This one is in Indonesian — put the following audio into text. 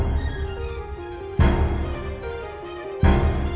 kenapa gue disuruh ke sana ya